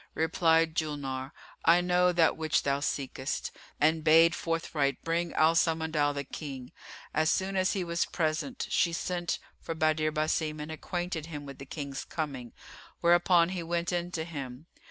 Replied Julnar, "I know that which thou seekest;" and bade forthright bring Al Samandal the King. As soon as he was present, she sent for Badr Basim and acquainted him with the King's coming, whereupon he went in to him.